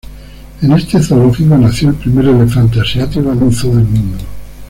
En este zoológico nació el primer elefante asiático en un zoo del mundo.